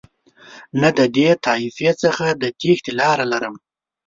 نه د دې طایفې څخه د تېښتې لاره لرم.